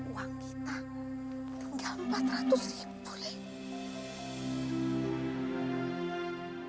uang kita tinggal empat ratus ribu